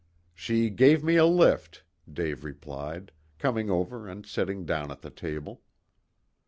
"She gave me a lift," Dave replied, coming over and sitting down at the table.